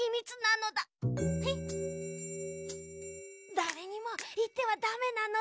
だれにもいってはダメなのだ。